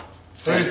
はい。